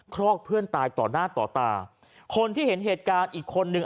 คลอกเพื่อนตายต่อหน้าต่อตาคนที่เห็นเหตุการณ์อีกคนนึง